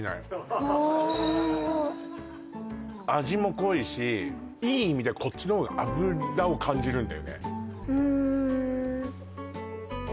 味も濃いしいい意味でこっちの方が油を感じるんだよね